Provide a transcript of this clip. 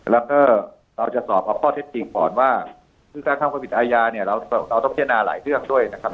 แล้วก็เราจะสอบเอาข้อเท็จจริงก่อนว่าคือการทำความผิดอาญาเนี่ยเราต้องพิจารณาหลายเรื่องด้วยนะครับ